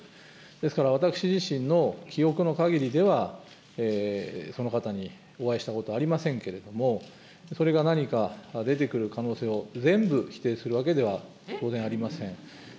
ですから私自身の記憶のかぎりでは、その方にお会いしたことありませんけれども、それが何か出てくる可能性を全部否定するわけでは当然、ありません。